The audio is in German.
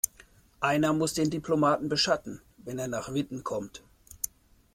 Einer muss den Diplomaten beschatten, wenn er nach Witten kommt.